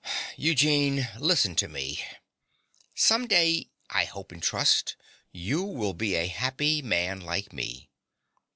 Eugene: listen to me. Some day, I hope and trust, you will be a happy man like me.